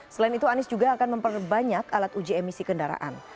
selain itu anies juga akan memperbanyak alat uji emisi kendaraan